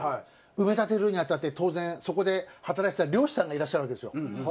埋め立てるに当たって当然そこで働いてた漁師さんがいらっしゃるわけですよ。